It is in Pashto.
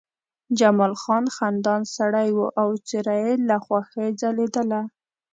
جمال خان خندان سړی و او څېره یې له خوښۍ ځلېدله